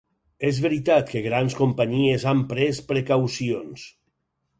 És veritat que grans companyies han pres precaucions.